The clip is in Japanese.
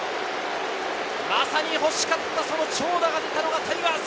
欲しかった長打が出たのがタイガース。